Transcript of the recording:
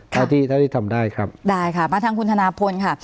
เท่าที่เท่าที่ทำได้ครับได้ค่ะมาทางคุณธนาพลค่ะ